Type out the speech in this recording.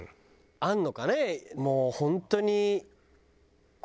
あるのかね？